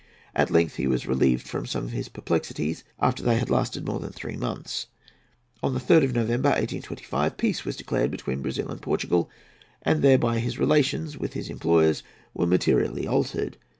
At length he was relieved from some of his perplexities, after they had lasted more than three months. On the 3rd of November, 1825, peace was declared between Brazil and Portugal; and thereby his relations with his employers were materially altered.